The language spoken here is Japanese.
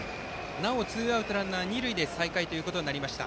なおツーアウトランナー、二塁で再開となりました。